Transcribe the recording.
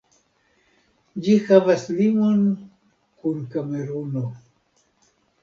Ĝi havas limon kun Kameruno.